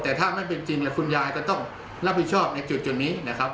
แต่ถ้าไม่เป็นจริงคุณยายก็ต้องรับผิดชอบในจุดนี้นะครับ